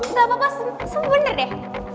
gapapa semua bener deh